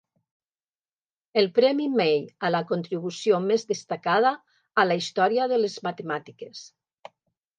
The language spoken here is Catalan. El Premi May a la contribució més destacada a la història de las matemàtiques.